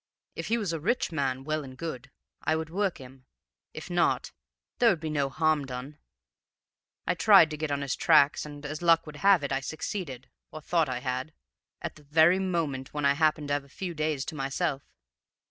If he was a rich man, well and good, I would work him; if not there would be no harm done. I tried to get on his tracks, and, as luck would have it, I succeeded (or thought I had) at the very moment when I happened to have a few days to myself.